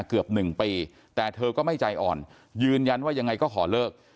เกือบ๑ปีแต่เธอก็ไม่ใจอ่อนยืนยันว่ายังไงก็ขอเลิก